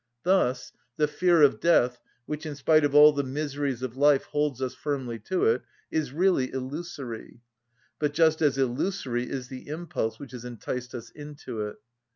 Thus the fear of death, which in spite of all the miseries of life holds us firmly to it, is really illusory; but just as illusory is the impulse which has enticed us into it.